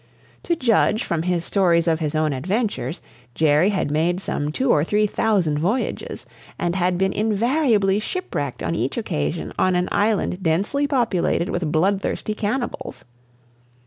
To judge from his stories of his own adventures, Jerry had made some two or three thousand voyages, and had been invariably shipwrecked on each occasion on an island densely populated with bloodthirsty cannibals.